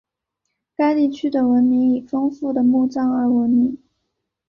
该地区的文明以丰富的墓葬而闻名。